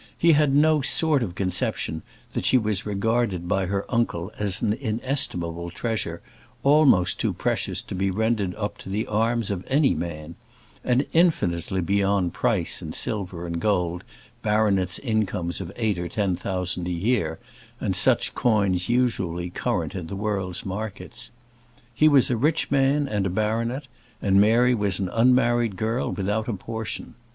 He had no sort of conception that she was regarded by her uncle as an inestimable treasure, almost too precious to be rendered up to the arms of any man; and infinitely beyond any price in silver and gold, baronets' incomes of eight or ten thousand a year, and such coins usually current in the world's markets. He was a rich man and a baronet, and Mary was an unmarried girl without a portion.